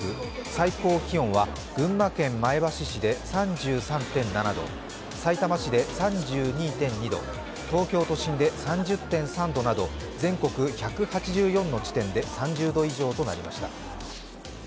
最高気温は群馬県前橋市で３３．７度、さいたま市で３２．２度、東京都心で３０．３度など、全国１８４の地点で３０度以上となりました。